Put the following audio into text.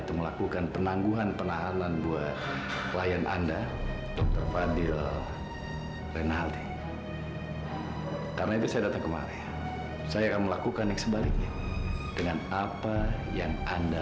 sampai jumpa di video selanjutnya